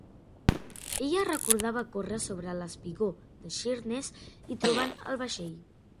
Ella recordava córrer sobre l'espigó de Sheerness i trobant el vaixell.